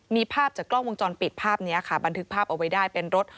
มีภาพจากกล้องวงจรปิดภาพนี้ค่ะบันทึกภาพเอาไว้ได้เป็นรถ